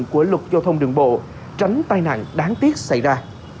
các tỉnh của luật giao thông đường bộ tránh tai nạn đáng tiếc xảy ra